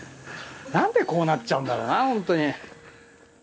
なんでこうなっちゃうんだろうな本当に。